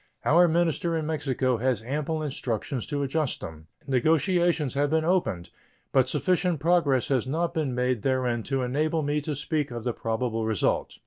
Our minister in Mexico has ample instructions to adjust them. Negotiations have been opened, but sufficient progress has not been made therein to enable me to speak of the probable result.